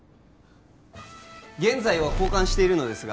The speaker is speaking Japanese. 現在は交換しているのですが